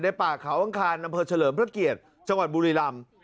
ป่าเขาอังคารอำเภอเฉลิมพระเกียรติจังหวัดบุรีรำ